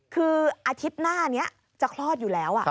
คืออาทิตย์หน้านี้จะคลอดอยู่แล้ว